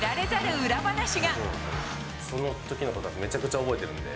そのときのことは、めちゃくちゃ覚えてるんで。